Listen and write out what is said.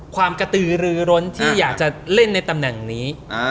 ความกระตือรือร้นที่อยากจะเล่นในตำแหน่งนี้